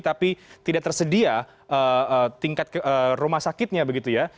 tapi tidak tersedia tingkat rumah sakitnya begitu ya